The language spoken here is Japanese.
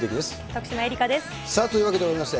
徳島えりかです。